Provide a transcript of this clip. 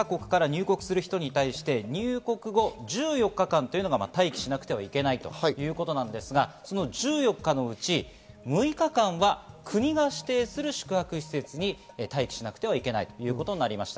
話は戻りますが、水際対策がベトナムとマレーシア、２か国から入国する人に対して入国後１４日間というのが待機しなきゃいけないということなんですが、その１４日のうち、６日間は国が指定する宿泊施設に待機しなくてはいけないということになりました。